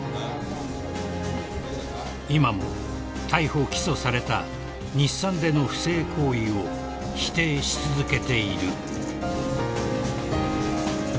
［今も逮捕起訴された日産での不正行為を否定し続けている］